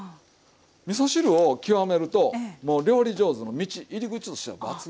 みそ汁を極めるともう料理上手の道入り口としては抜群にいい